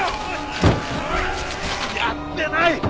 やってない！